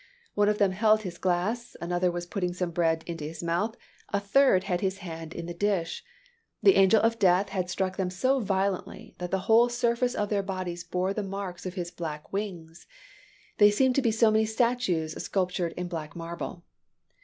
One of them held his glass, another was putting some bread into his mouth, a third had his hand in the dish. The angel of death had struck them so violently that the whole surface of their bodies bore the marks of his black wings. They seemed so many statues sculptured in black marble."